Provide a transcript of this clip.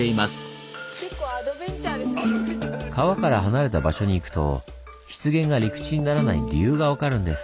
川から離れた場所に行くと湿原が陸地にならない理由が分かるんです。